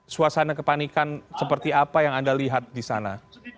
suasana kepanikan seperti apa yang anda lihat di sana